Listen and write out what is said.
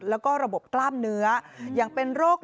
แล้วก็ระบบกล้ามเนื้ออย่างเป็นโรค